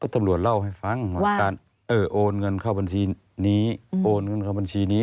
ตำรวจเล่าให้ฟังว่าการโอนเงินเข้าบัญชีนี้โอนเงินเข้าบัญชีนี้